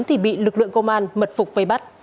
thì bị lực lượng công an mật phục vây bắt